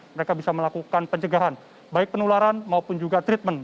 mereka bisa melakukan pencegahan baik penularan maupun juga treatment